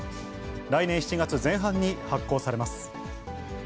来年７月前半に発行されます。